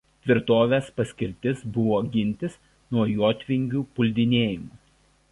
Tvirtovės paskirtis buvo gintis nuo jotvingių puldinėjimų.